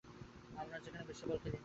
আমরা এখানে বেসবল খেলি না।